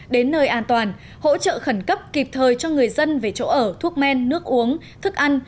đến nơi an toàn hỗ trợ khẩn cấp kịp thời cho người dân về chỗ ở thuốc men nước uống thức ăn